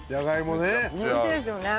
美味しいですよね。